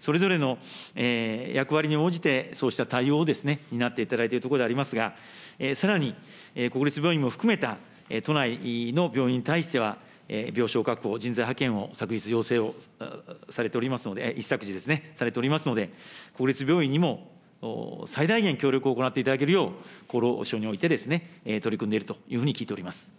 それぞれの役割に応じて、そうした対応をですね、担っていただいているところでありますが、さらに国立病院も含めた、都内の病院に対しては、病床確保、人材派遣を昨日、要請をされておりますので、一昨日ですね、されておりますので、国立病院にも最大限協力を行っていただけるよう、厚労省において取り組んでいるというふうに聞いております。